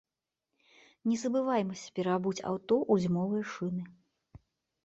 Не забываймася пераабуць аўто ў зімовыя шыны.